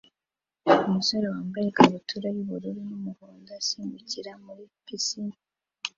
Umusore wambaye ikabutura yubururu n'umuhondo asimbukira muri pisine